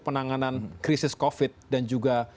penanganan krisis covid dan juga